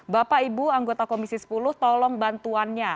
bapak ibu anggota komisi sepuluh tolong bantuannya